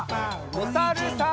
おさるさん。